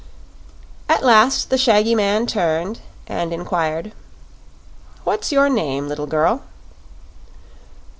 At last the shaggy man turned and inquired, "What's your name, little girl?"